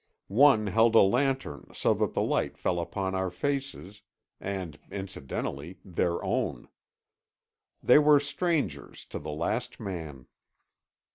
One held a lantern so that the light fell upon our faces—and, incidentally, their own. They were strangers, to the last man.